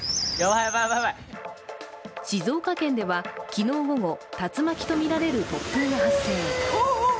静岡県では昨日午後、竜巻とみられる突風が発生。